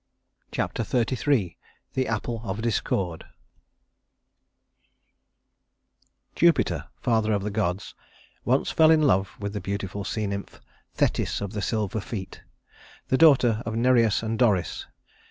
Chapter XXXIII The Apple of Discord Jupiter, father of the gods, once fell in love with the beautiful sea nymph "Thetis of the silver feet," the daughter of Nereus and Doris.